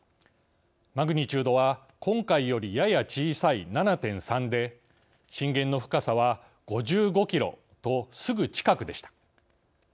マグニチュードは今回より、やや小さい７．３で震源の深さは５５キロとすぐ近くでした。